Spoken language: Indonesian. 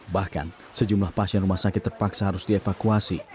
bahkan sejumlah pasien rumah sakit terpaksa harus dievakuasi